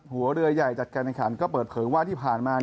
หัวเรือใหญ่จัดการแข่งขันก็เปิดเผยว่าที่ผ่านมา